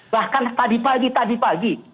bahkan tadi pagi tadi pagi